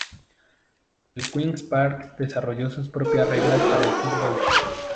El Queen's Park desarrolló sus propias reglas para el fútbol.